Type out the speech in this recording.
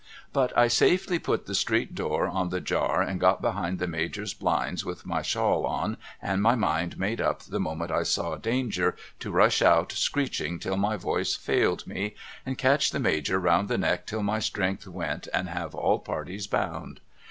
But I safely put the street door on the jar and got behind the Major's blinds with my shawl on and my mind made up the moment I saw danger to rush out screeching till my voice failed me and catch the Major round the neck till my strength went and have all parties bound.